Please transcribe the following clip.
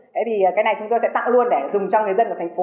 thế thì cái này chúng tôi sẽ tặng luôn để dùng cho người dân của thành phố